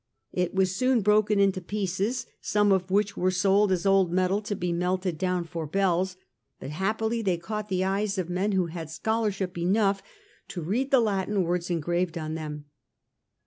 It was soon broken into pieces, some children. whicli were sold as old metal to be melted down for bells, but happily they caught the eyes of men who had scholarship enough to read the Latin words engraved on them.